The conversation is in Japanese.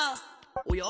おや？